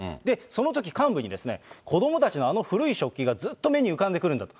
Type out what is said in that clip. そのとき、幹部にですね、子どもたちのあの古い食器がずっと目に浮かんでくるんだと。